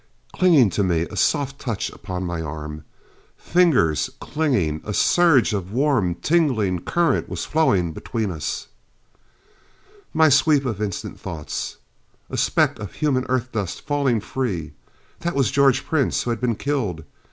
Clinging to me. A soft touch upon my arm. Fingers, clinging. A surge of warm, tingling current was flowing between us. My sweep of instant thoughts. A speck of human Earth dust falling free. That was George Prince who had been killed.